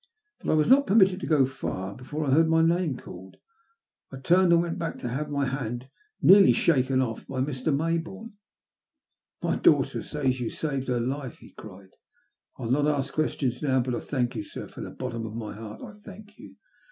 But I was not permitted to go far before I heard my name called. I turned, and went back to have my hand nearly shaken off by Mr. Mayboume. " My daughter says you have saved her life," he cried. '' I'll not ask questions now, but I thank you, sir — ^from the bottom of my heart I thank you.